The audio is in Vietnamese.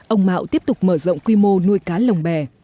ông mạo tiếp tục mở rộng quy mô nuôi cá lồng bè